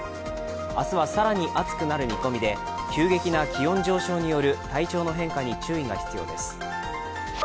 明日は更に暑くなる見込みで急激な気温上昇による体調の変化に注意が必要です。